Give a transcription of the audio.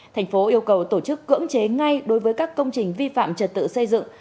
thành phố yêu cầu tổ chức cưỡng chế ngay đối với các công trình vi phạm trật tự xây dựng